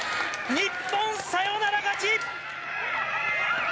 日本、サヨナラ勝ち！